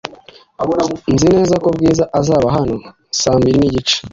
Nzi neza ko Bwiza azaba hano saa mbiri n'igice .